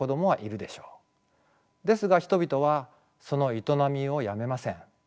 ですが人々はその営みをやめません。